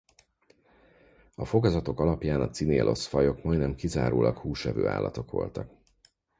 A fogazatok alapján a Cynelos-fajok majdnem kizárólag húsevő állatok voltak.